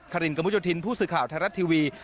คารินกจผู้สื่อข่าวไทยรัฐทีวี